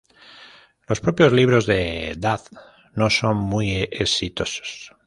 Los propios libros de Thad no son muy exitosos.